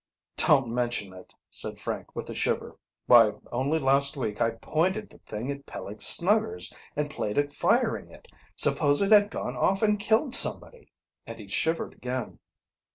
"Don't mention it," said Frank with a shiver. "Why, only last week I pointed the thing at Peleg Snuggers and played at firing it. Supposing it had gone off and killed somebody?" And he shivered again.